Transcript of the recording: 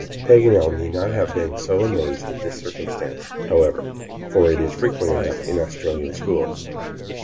Paganel need not have been so amazed at this circumstance, however, for it is frequent enough in Australian schools.